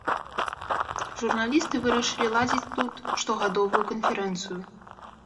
Журналісты вырашылі ладзіць тут штогадовую канферэнцыю.